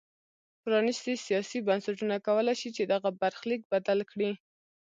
پرانیستي سیاسي بنسټونه کولای شي چې دغه برخلیک بدل کړي.